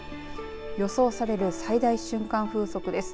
予想される最大瞬間風速です。